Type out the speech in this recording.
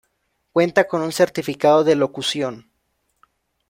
Cuenta con un certificado de locución.